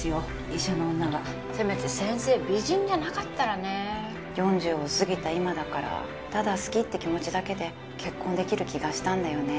医者の女はせめて先生美人じゃなかったらね４０を過ぎた今だからただ好きって気持ちだけで結婚できる気がしたんだよね